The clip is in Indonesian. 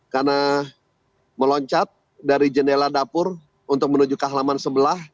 karena meloncat dari jendela dapur untuk menuju ke halaman sebelah